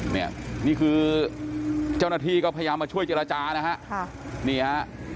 เนี่ยคือเจ้าหน้าที่ก็พยายามมาช่วยเจรจร้านะคะ